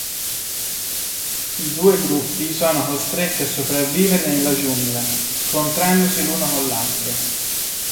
I due gruppi sono costretti a sopravvivere nella giungla scontrandosi l'uno con l'altro.